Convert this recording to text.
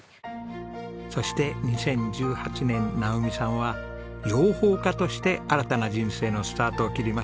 そして２０１８年直美さんは養蜂家として新たな人生のスタートを切りました。